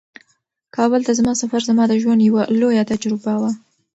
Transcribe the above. کابل ته زما سفر زما د ژوند یوه لویه تجربه وه.